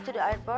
aduh kena jalan